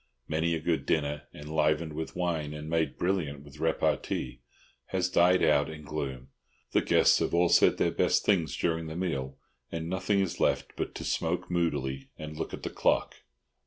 Many a good dinner, enlivened with wine and made brilliant with repartee, has died out in gloom. The guests have all said their best things during the meal, and nothing is left but to smoke moodily and look at the clock.